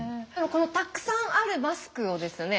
このたくさんあるマスクをですね